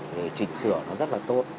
để chỉnh sửa nó rất là tốt